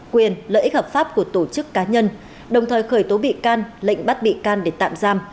quyền lợi ích hợp pháp của tổ chức cá nhân đồng thời khởi tố bị can lệnh bắt bị can để tạm giam